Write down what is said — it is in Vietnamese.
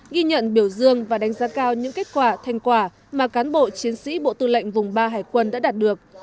ghi nhận biểu dương và đánh giá cao những kết quả thành quả mà cán bộ chiến sĩ bộ tư lệnh vùng ba hải quân đã đạt được